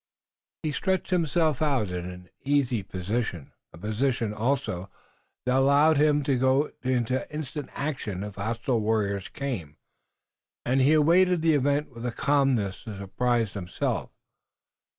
He stretched himself in an easy position, a position, also, that allowed him to go into instant action if hostile warriors came, and he awaited the event with a calmness that surprised himself.